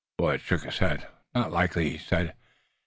Willet shook his head. "Not likely," he said.